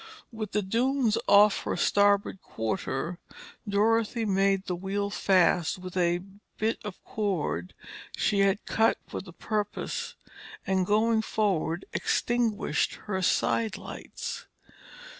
With the dunes off her starboard quarter, Dorothy made the wheel fast with a bight of cord she had cut for the purpose, and going forward, extinguished her side lights.